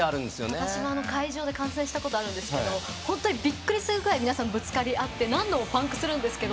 私も会場で観戦したことがあるんですけど本当にびっくりするくらいぶつかり合って何度もパンクするんですけど